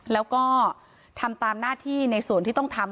แล้วก็ทำตามหน้าที่ในส่วนที่ต้องทำ